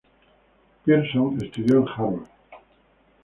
Pierson estudió en Harvard.